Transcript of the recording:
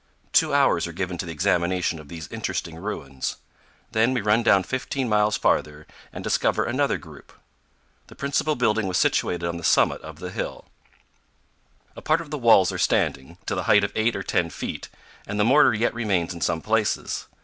Two hours are given to the examination of these interesting ruins; then we run down fifteen miles farther, and discover another group. The principal building was situated on the summit of the hill. 228 CANYONS OF THE COLORADO. A part of the walls are standing, to the height of eight or ten feet, and the mortar yet remains in some places.